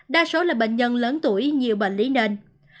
đa số là bệnh nhân lớn tuổi nhiều bệnh lý nền